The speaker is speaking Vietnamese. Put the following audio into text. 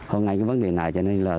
hôn ngay với vấn đề này cho nên là